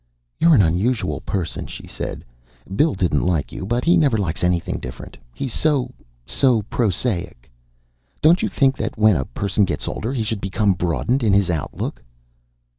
"You're an unusual person," she said. "Bill didn't like you, but he never likes anything different. He's so so prosaic. Don't you think that when a person gets older he should become broadened in his outlook?"